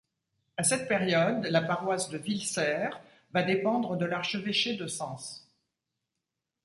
À cette période, la paroisse de Villecerf va dépendre de l'archevêché de Sens.